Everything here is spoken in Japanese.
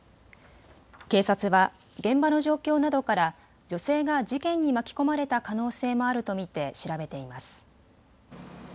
警察は現場の状況などから女性が事件に巻き込まれた可能性もあると見て調べています。